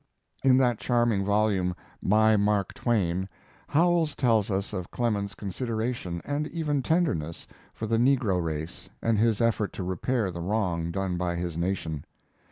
In that charming volume, 'My Mark Twain', Howells tells us of Clemens's consideration, and even tenderness, for the negro race and his effort to repair the wrong done by his nation.